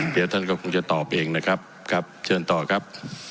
เดี๋ยวท่านก็คงจะตอบเองนะครับครับเชิญต่อครับ